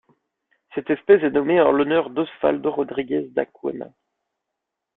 Cette espèce est nommée en l'honneur d'Osvaldo Rodrigues da Cunha.